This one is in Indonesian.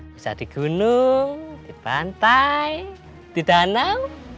bisa di gunung di pantai di danau